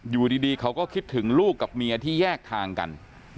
อยู่ดีเขาก็คิดถึงลูกกับเมียที่แยกทางกัน